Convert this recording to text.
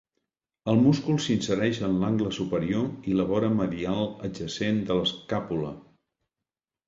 El múscul s'insereix en l'angle superior i la vora medial adjacent de l'escàpula.